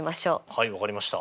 はい分かりました。